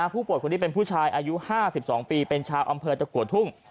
ผู้ปวดผู้ชายอายุ๕๒ปีเป็นชาวอำเภอตะกวดทุ่ง